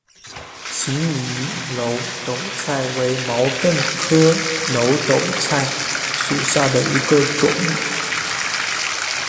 秦岭耧斗菜为毛茛科耧斗菜属下的一个种。